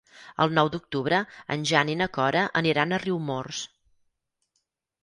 El nou d'octubre en Jan i na Cora aniran a Riumors.